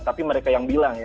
tapi mereka yang bilang ya